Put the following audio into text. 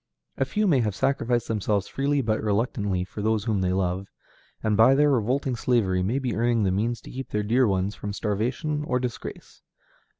A few may have sacrificed themselves freely but reluctantly for those whom they love, and by their revolting slavery may be earning the means to keep their dear ones from starvation or disgrace.